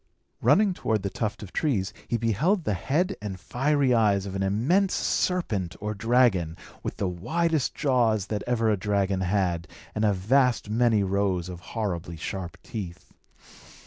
Running toward the tuft of trees, he beheld the head and fiery eyes of an immense serpent or dragon, with the widest jaws that ever a dragon had, and a vast many rows of horribly sharp teeth.